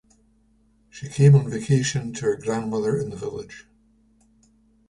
She came on vacation to her grandmother in the village.